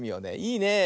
いいねえ。